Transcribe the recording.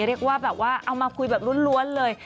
เรียกว่าออกมาคุยแบบล้วนเลย